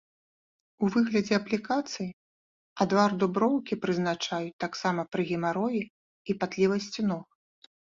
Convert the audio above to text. У выглядзе аплікацый адвар дуброўкі прызначаюць таксама пры гемароі і патлівасці ног.